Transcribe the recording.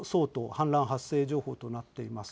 氾濫発生情報となっています。